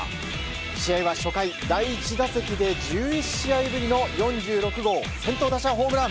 試合は初回第１打席で１１試合ぶりの４６号先頭打者ホームラン。